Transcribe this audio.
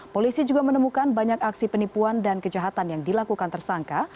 polisi juga menemukan banyak aksi penipuan dan kejahatan yang dilakukan tersangka